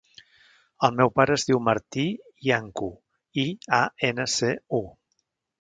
El meu pare es diu Martí Iancu: i, a, ena, ce, u.